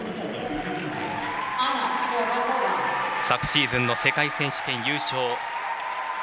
昨シーズンの世界選手権、優勝。